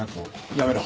やめろ。